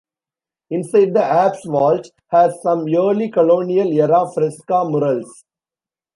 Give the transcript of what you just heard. Inside, the apse vault has some early colonial era fresco murals.